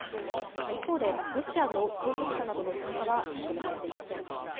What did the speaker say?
一方で、ロシアの当局者などの参加は認められていません。